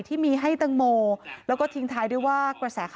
ที่มีให้ตังโมแล้วก็ทิ้งท้ายด้วยว่า